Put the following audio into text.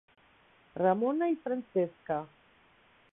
Ramona i Francesca.